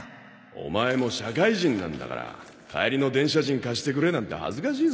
オマエも社会人なんだから帰りの電車賃貸してくれなんて恥ずかしいぞ。